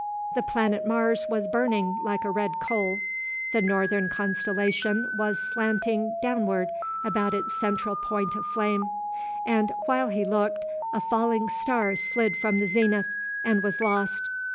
The planet Mars was burning like a red coal; the northern constellation was slanting downward about its central point of flame; and while he looked, a falling star slid from the zenith and was lost.